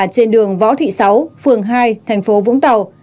trên đường võ thị sáu phường hai thành phố vũng tàu